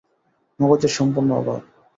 মগজের সম্পূর্ণ অভাব।